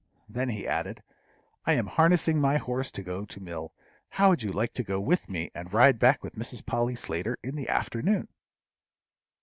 Then he added, "I am harnessing my horse to go to mill; how would you like to go with me, and ride back with Mrs. Polly Slater in the afternoon?"